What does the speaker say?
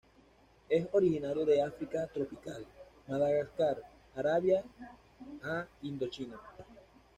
Es originario de África tropical, Madagascar, Arabia a Indochina.